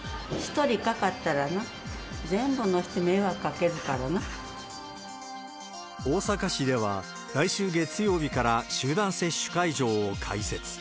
１人かかったらな、大阪市では、来週月曜日から集団接種会場を開設。